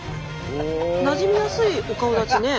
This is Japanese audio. なじみやすいお顔だちね